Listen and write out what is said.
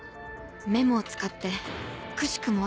メモを使ってくしくも